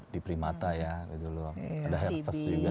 di primata ya ada herpes juga